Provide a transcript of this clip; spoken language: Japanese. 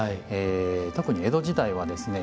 特に江戸時代はですね